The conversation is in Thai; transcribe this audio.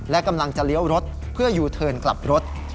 และกำลังจะเลี้ยวรถเพื่อยูเทิร์นกลับรถ